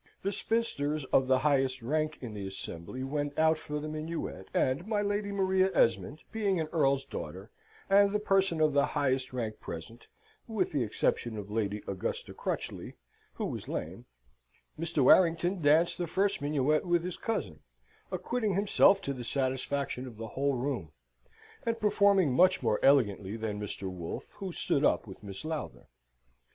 The spinsters of the highest rank in the assembly went out for the minuet, and my Lady Maria Esmond, being an earl's daughter, and the person of the highest rank present (with the exception of Lady Augusta Crutchley, who was lame), Mr. Warrington danced the first minuet with his cousin, acquitting himself to the satisfaction of the whole room, and performing much more elegantly than Mr. Wolfe, who stood up with Miss Lowther.